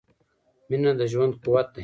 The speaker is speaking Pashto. • مینه د ژوند قوت دی.